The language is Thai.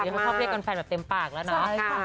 จะมาครอบเรียกกับแฟนใหญ่เต็มปากแล้วเนาะ